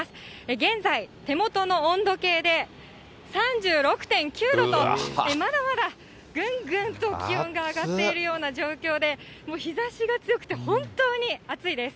現在、手元の温度計で３６．９度と、まだまだぐんぐんと気温が上がっているような状況で、日ざしが強くて、本当に暑いです。